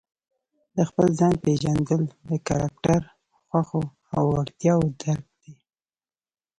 د خپل ځان پېژندل د کرکټر، خوښو او وړتیاوو درک دی.